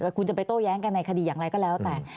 คุณจะไปโต้แย้งกันในคดีอย่างไรก็แล้วแต่